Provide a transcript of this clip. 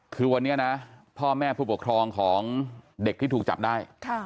คือวันนี้นะพ่อแม่ผู้ปกครองของเด็กที่ถูกจับได้